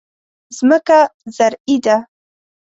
ځمکه زرعي ده.